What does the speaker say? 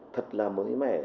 thật là mối mẻ